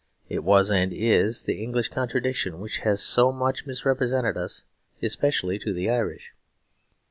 It was, and is, the English contradiction, which has so much misrepresented us, especially to the Irish.